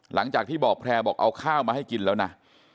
หลังจากที่บอกแพร่บอกเอาข้าวมาให้กินแล้วนะ